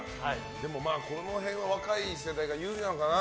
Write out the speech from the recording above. でもこの辺は若い世代が有利なのかな。